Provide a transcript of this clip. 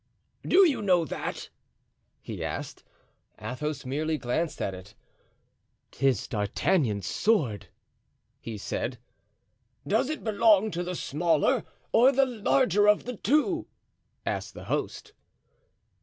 "Do you know that?" he asked. Athos merely glanced at it. "'Tis D'Artagnan's sword," he said. "Does it belong to the smaller or to the larger of the two?" asked the host.